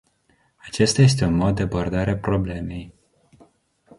Acesta este un mod de abordare a problemei.